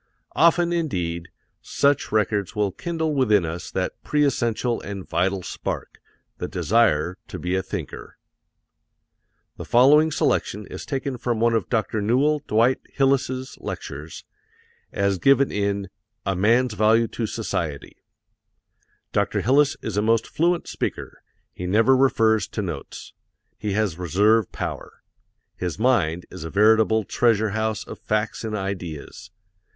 Often, indeed, such records will kindle within us that pre essential and vital spark, the desire to be a thinker. The following selection is taken from one of Dr. Newell Dwight Hillis's lectures, as given in "A Man's Value to Society." Dr. Hillis is a most fluent speaker he never refers to notes. He has reserve power. His mind is a veritable treasure house of facts and ideas.